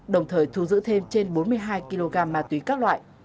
đồng thời thu giữ thêm trên bốn mươi hai kg ma túy các loại